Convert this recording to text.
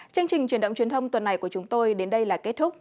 chương trình truyền động truyền thông tuần này của chúng tôi đến đây là kết thúc